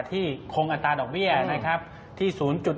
ที่คงอัตราดอกเบี้ยนะครับที่๐๗